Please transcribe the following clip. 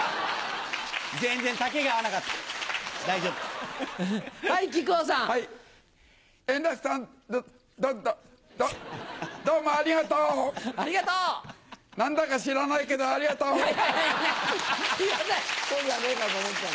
全然、丈が合わなかった。